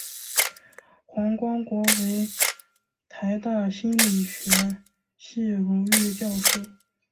黄光国为台大心理学系荣誉教授。